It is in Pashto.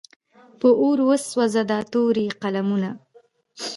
په اور وسوځه دا تورې قلمونه.